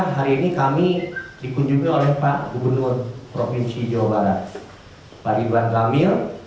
hari ini kami dikunjungi oleh pak gubernur provinsi jawa barat pak ridwan kamil